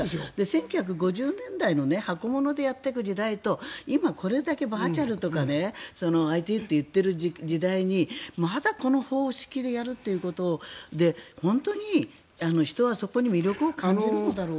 １９５０年代の箱物でやっていく時代と今、これだけバーチャルとかＩＴと言っている時代にまだこの方式でやることで本当に人がそこに魅力を感じるだろうか。